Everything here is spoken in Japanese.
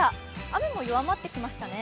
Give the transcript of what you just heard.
雨も弱まってきましたね。